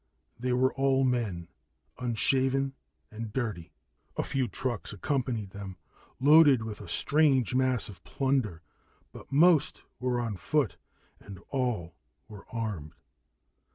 They were all men, unshaven and dirty. A few trucks accompanied them, loaded with a strange mass of plunder, but most were on foot and all were armed.